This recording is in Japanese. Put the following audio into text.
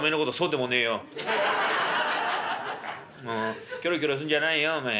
もうキョロキョロすんじゃないよおめえ。